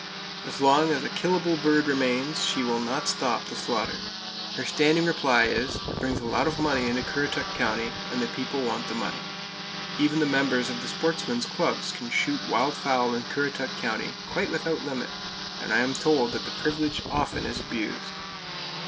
As long as a killable bird remains, she will not stop the slaughter. Her standing reply is "It brings a lot of money into Currituck County; and the people want the money." Even the members of the sportsmen's clubs can shoot wild fowl in Currituck County, quite without limit; and I am told that the privilege often is abused.